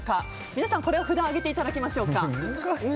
皆さん、これは札を上げていただきましょうか。